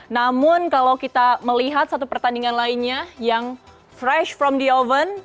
namun kalau kita melihat satu pertandingan lainnya yang fresh from the oven